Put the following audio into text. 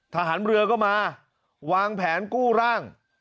ทหารเรือก็มาวางแผนกู้ร่าง